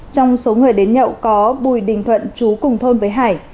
trong số người đến nhậu có bùi đình thuận chú cùng thôn với hải